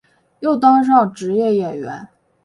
又当上职业演员。